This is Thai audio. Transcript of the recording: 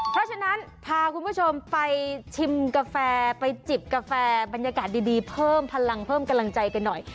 เพราะฉะนั้นพาคุณผู้ชมไปชิมกาแฟไปจิบกาแฟบรรยากาศดีเพิ่มพลังเพิ่มกำลังใจกันหน่อย